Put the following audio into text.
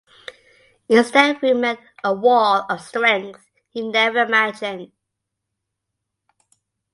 Instead he met a wall of strength he never imagined.